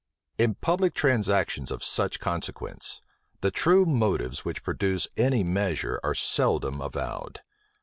In public transactions of such consequence, the true motives which produce any measure are seldom avowed.